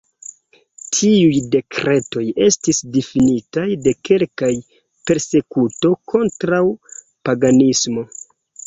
Tiuj dekretoj estis difinitaj de kelkaj Persekuto kontraŭ paganismo.